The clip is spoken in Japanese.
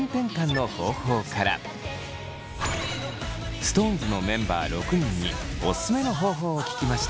ＳｉｘＴＯＮＥＳのメンバー６人にオススメの方法を聞きました。